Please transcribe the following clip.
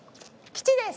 吉です。